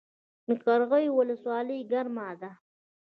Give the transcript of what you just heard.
د قرغیو ولسوالۍ ګرمه ده